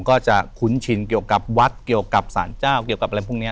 ก็จะคุ้นชินเกี่ยวกับวัดเกี่ยวกับสารเจ้าเกี่ยวกับอะไรพวกนี้